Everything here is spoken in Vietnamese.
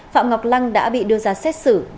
phạm ngọc lăng đã bị đưa ra xét xử